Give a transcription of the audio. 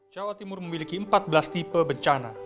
jawa timur memiliki empat belas tipe bencana